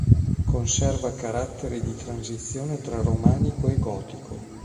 Conserva caratteri di transizione tra romanico e gotico.